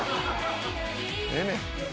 ええねん。